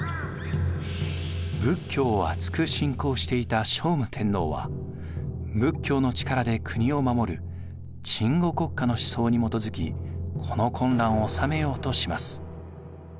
仏教を厚く信仰していた聖武天皇は仏教の力で国を守る鎮護国家の思想に基づきこの混乱を収めようとします。